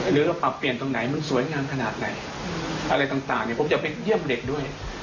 หรือเราปรับเปลี่ยนตรงไหนมันสวยงามขนาดไหนอะไรต่างเนี่ยผมจะไปเยี่ยมเด็กด้วย